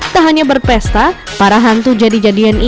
tak hanya berpesta para hantu jadi jadian ibadah